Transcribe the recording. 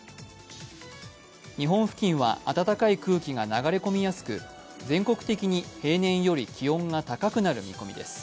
日本付近は暖かい空気が流れ込みやすく全国的に平年より気温が高くなる見込みです。